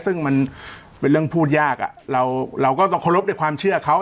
ซึ่งมันเป็นเรื่องพูดยากเราก็ต้องเคารพในความเชื่อเขา